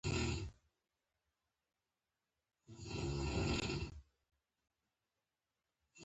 نجونې به تر هغه وخته پورې خپلو موخو ته رسیږي.